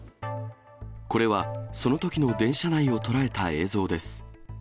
これは、そのときの電車内を捉えた映像です。